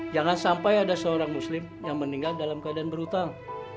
jangan sampai ada seorang muslim yang meninggal dalam keadaan berhutang